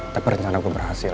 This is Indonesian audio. tapi rencana gue berhasil